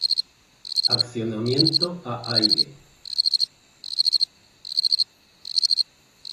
Accionamiento a aire.